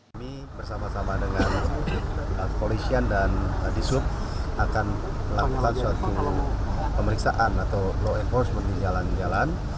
kami bersama sama dengan polisian dan disub akan melakukan suatu pemeriksaan atau law enforcement di jalan jalan